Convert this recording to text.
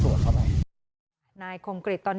ที่กระยองไอ้นี่แสดง